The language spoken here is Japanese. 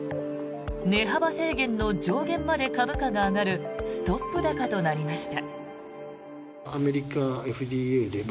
値幅制限の上限まで株価が上がるストップ高となりました。